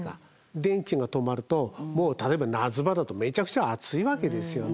電気が止まるともう例えば夏場だとめちゃくちゃ暑いわけですよね。